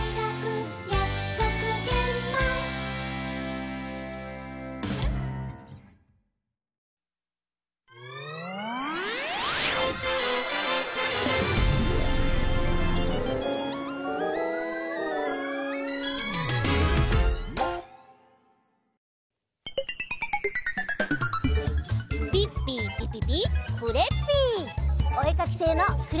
おえかきせいのクレッピーだよ！